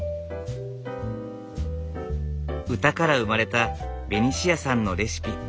歌から生まれたベニシアさんのレシピ。